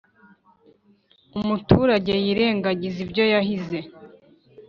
umuturage yirengagize ibyo yahize.